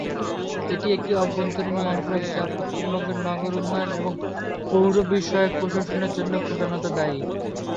এটি একটি অভ্যন্তরীণ মন্ত্রক যা পশ্চিমবঙ্গের নগর উন্নয়ন এবং পৌর বিষয়ক প্রশাসনের জন্য প্রধানত দায়ী।